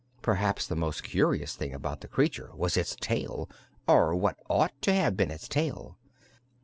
Perhaps the most curious thing about the creature was its tail, or what ought to have been its tail.